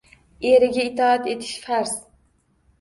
Eriga itoat etish – farz.